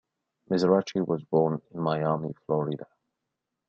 Mizrachi was born in Miami, Florida.